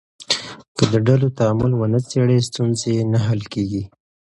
که د ډلو تعامل ونه څېړې، ستونزې نه حل کېږي.